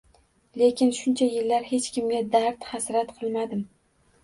Lekin, shuncha yillar hech kimga dard-hasrat qilmadim